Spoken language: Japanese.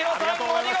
お見事！